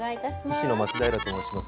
医師の松平と申します。